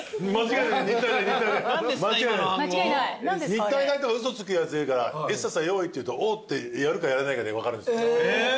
日体大って嘘つくやついるから「エッサッサよーい」って言うと「オウ！」ってやるかやらないかで分かるんですよ。